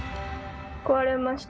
壊れました。